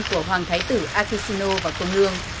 của hoàng thái tử akishino và công hương